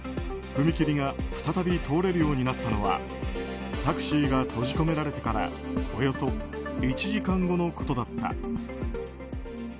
踏切が再び通れるようになったのはタクシーが閉じ込められてからおよそ１時間後のことだった。